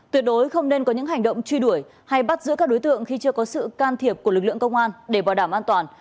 tuyệt đối không nên có những hành động truy đuổi hay bắt giữ các đối tượng khi chưa có sự can thiệp của lực lượng công an để bảo đảm an toàn